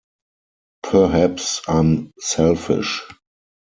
Perhaps I’m selfish.